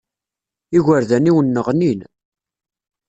Igerdan-iw nneɣnin.